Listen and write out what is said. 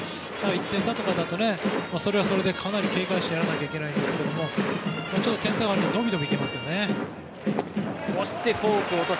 １点差とかになるとそれはそれでかなり警戒して投げなきゃいけないですけど点差があるのでどんどんいけますよね。